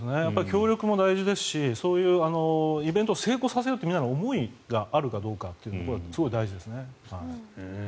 協力も大事ですしそういうイベントを成功させようというみんなの思いがあるかどうかはすごい大事ですね。